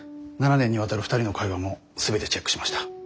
７年にわたる２人の会話も全てチェックしました。